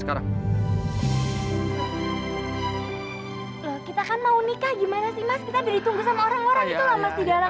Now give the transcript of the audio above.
kita udah ditunggu sama orang orang itulah mas di dalam